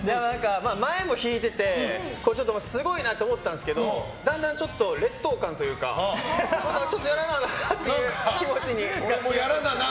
前も弾いててすごいなと思ったんですけどだんだん、劣等感というかちょっとやらななっていう気持ちに。